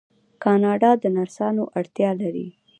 کاناډا د نرسانو اړتیا لري.